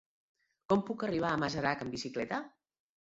Com puc arribar a Masarac amb bicicleta?